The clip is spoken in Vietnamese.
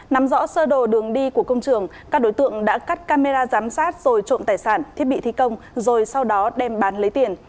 nắm rõ sơ đồ đường đi của công trường các đối tượng đã cắt camera giám sát rồi trộm tài sản thiết bị thi công rồi sau đó đem bán lấy tiền